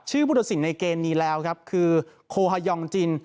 ชื่อภูตสินในเกณฑ์นี้แล้วครับคือโคฮายองจิน